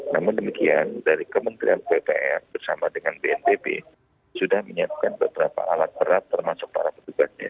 namun demikian dari kementerian ppr bersama dengan bnpb sudah menyiapkan beberapa alat berat termasuk para petugasnya